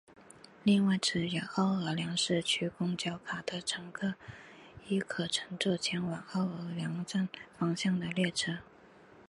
另外持有奥尔良市区公交卡的乘客亦可乘坐前往奥尔良站方向的列车。